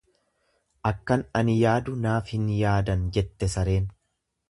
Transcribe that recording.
Akkan ani yaadu naaf hiyyaadan, jette sareen.